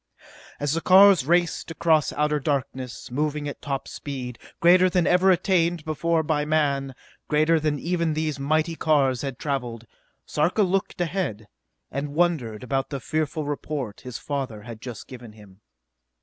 As the cars raced across outer darkness, moving at top speed, greater than ever attained before by man, greater than even these mighty cars had traveled, Sarka looked ahead, and wondered about the fearful report his father had just given him.